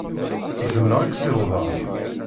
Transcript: Zemreɣ ad k-ssiwḍeɣ.